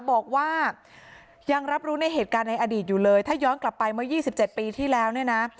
บอกว่ายังรับรู้ในเหตุการณ์ในอดีตอยู่เลยถ้าย้อนกลับไปเมื่อ๒๗ปีที่แล้วเนี่ยนะ